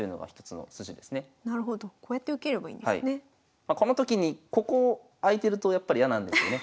まあこのときにここ開いてるとやっぱり嫌なんですよね。